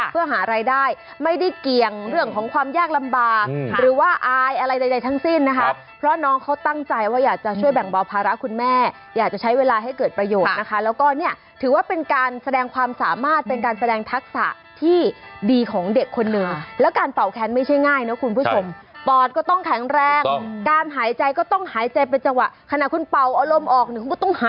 เพื่อหารายได้ไม่ได้เกี่ยงเรื่องของความยากลำบากหรือว่าอายอะไรใดทั้งสิ้นนะคะเพราะน้องเขาตั้งใจว่าอยากจะช่วยแบ่งเบาภาระคุณแม่อยากจะใช้เวลาให้เกิดประโยชน์นะคะแล้วก็เนี่ยถือว่าเป็นการแสดงความสามารถเป็นการแสดงทักษะที่ดีของเด็กคนหนึ่งแล้วการเป่าแค้นไม่ใช่ง่ายนะคุณผู้ชมปอดก็ต้องแข็งแรงการหายใจก็ต้องหายใจเป็นจังหวะขณะคุณเป่าอารมณ์ออก